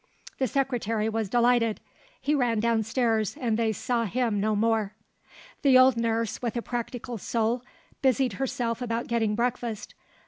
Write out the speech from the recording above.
The Secretary was delighted; he ran down stairs and they saw him no more. The old nurse, with a practical soul, busied herself about getting breakfast.